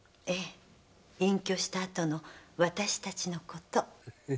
隠居したあとの私たちのこと。